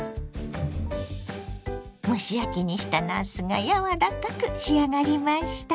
蒸し焼きにしたなすが柔らかく仕上がりました。